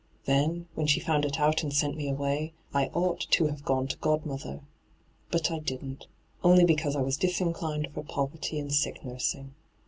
Then, when she found it out and sent me away, I ought to have gone to godmother. But I didn't, only because I was disinclined for poverty and sick nursing.